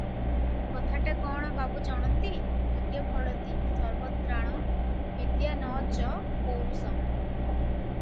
କଥାଟା କଣ ବାବୁ ଜଣନ୍ତି, "ଭାଗ୍ୟଫଳତି ସର୍ବତ୍ରାଣ ବିଦ୍ୟା ନ ଚ ପୌରୁଷଂ ।